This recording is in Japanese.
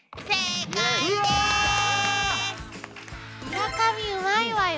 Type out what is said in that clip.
村上うまいわよ。